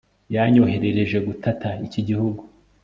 yanyohereje gutata iki gihugu